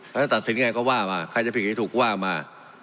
แล้วจะตัดสินไงก็ว่ามาใครจะผิดใครถูกว่ามา